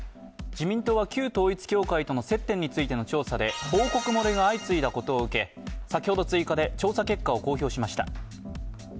自民党は旧統一教会との接点についての調査で報告漏れが相次いだことを受け、先ほど追加で調査結果を公表しました。